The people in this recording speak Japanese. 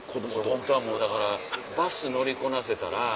ホントはもうだからバス乗りこなせたら。